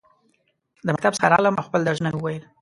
د مکتب څخه راغلم ، او خپل درسونه مې وویل.